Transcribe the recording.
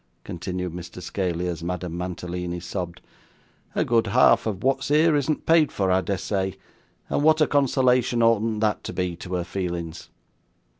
continued Mr Scaley, as Madame Mantalini sobbed. 'A good half of wot's here isn't paid for, I des say, and wot a consolation oughtn't that to be to her feelings!